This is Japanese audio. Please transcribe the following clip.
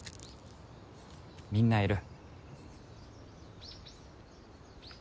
みんないる。